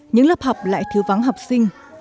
những lớp học lại thứ vắng học sinh